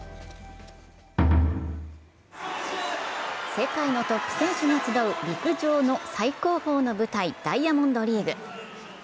世界のトップ選手が集う陸上の最高峰の舞台、ダイヤモンドリーグ。